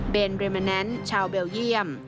เบนบริเมนันทชาวเบลเยี่ยม